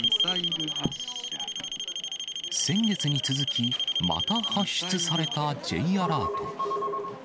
先月に続き、また発出されたＪアラート。